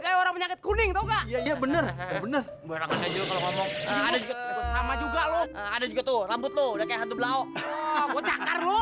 kayak orang penyakit kuning enggak ya bener bener sama juga lo ada juga tuh rambut lo udah kayak